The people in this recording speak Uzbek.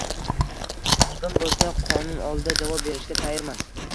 Aybim boʻlsa, qonun oldida javob berishga tayyorman.